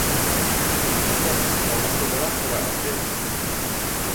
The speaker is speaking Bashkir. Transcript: — Минең башым ауыртыбыраҡ тора, әсәй.